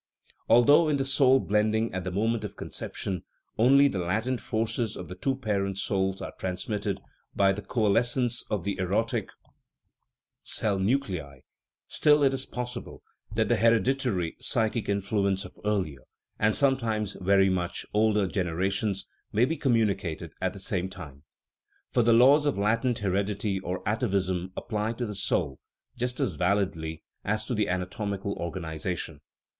Although in the soul blending at the moment of con ception only the latent forces of the two parent souls are transmitted by the coalescence of the erotic cell nuclei, still it is possible that the hereditary psychic influence of earlier, and sometimes very much older, generations may be communicated at the same time. For the laws of latent heredity or atavism apply to the soul just as validly as to the anatomical organization.